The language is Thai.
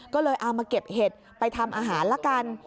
ก็เลยเอามาเก็บเห็ดไปทำอาหารละกัน